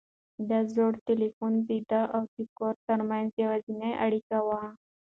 دا زوړ تلیفون د ده او د کور تر منځ یوازینۍ اړیکه وه.